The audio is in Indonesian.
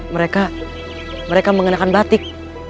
mereka mereka mengenakan batik